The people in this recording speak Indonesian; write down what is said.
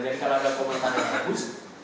jadi kalau ada komentarnya bagus